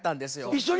一緒に？